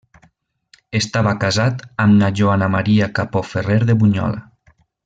Estava casat amb na Joana Maria Capó Ferrer de Bunyola.